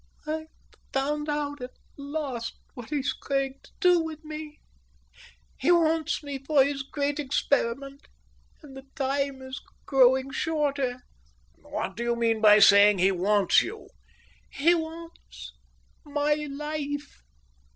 "I've found out at last what he's going to do with me He wants me for his great experiment, and the time is growing shorter." "What do you mean by saying he wants you?" "He wants—my life."